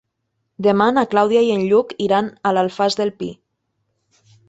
Demà na Clàudia i en Lluc iran a l'Alfàs del Pi.